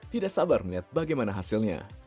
tidak sabar melihat bagaimana hasilnya